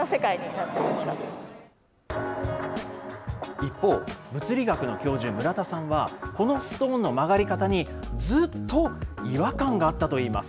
一方、物理学の教授、村田さんは、このストーンの曲がり方に、ずっと違和感があったといいます。